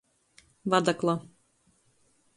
Vadakla.